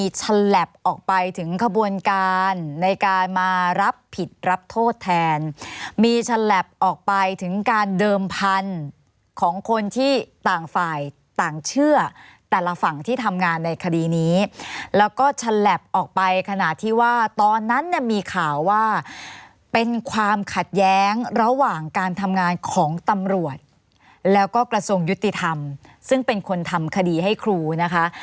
ฉลับออกไปถึงขบวนการในการมารับผิดรับโทษแทนมีฉลับออกไปถึงการเดิมพันธุ์ของคนที่ต่างฝ่ายต่างเชื่อแต่ละฝั่งที่ทำงานในคดีนี้แล้วก็ฉลับออกไปขณะที่ว่าตอนนั้นเนี่ยมีข่าวว่าเป็นความขัดแย้งระหว่างการทำงานของตำรวจแล้วก็กระทรวงยุติธรรมซึ่งเป็นคนทำคดีให้ครูนะคะ